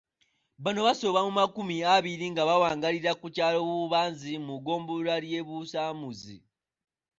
Bano basoba mu makumi abiri nga bawangaalira ku kyalo Bubanzi mu ggombolola ly'e Busamuzi.